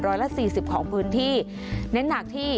ร้อยละสี่สิบของพื้นที่เน้นหนักที่